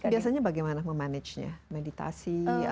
tapi biasanya bagaimana memanagenya meditasi